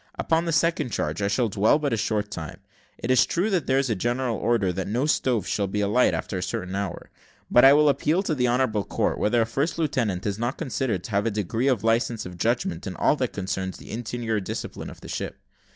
"Upon the second charge I shall dwell but a short time. It is true that there is a general order that no stoves shall be alight after a certain hour; but I will appeal to the honourable court, whether a first lieutenant is not considered to have a degree of licence of judgment in all that concerns the interior discipline of the ship.